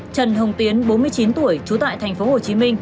trần hồng tiến bốn mươi chín tuổi trú tại tp hcm